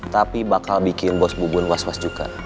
tapi bakal bikin bos bubun was was juga